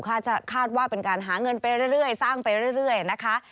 คาดว่าเป็นการหาเงินไปเรื่อยสร้างไปเรื่อยนะคะ